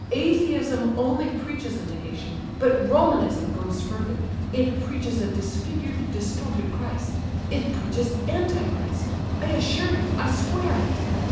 Atheism only preaches a negation, but Romanism goes further; it preaches a disfigured, distorted Christ—it preaches Anti Christ—I assure you, I swear it!